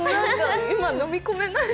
今、飲み込めない。